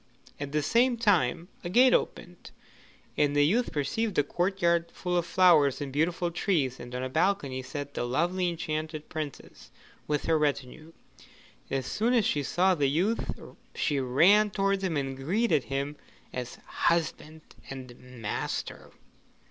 At the same moment a gate opened, and the youth perceived a courtyard full of flowers and beautiful trees, and on a balcony sat the lovely enchanted Princess with her retinue. As soon as she saw the youth, she ran towards him and greeted him as her husband and master.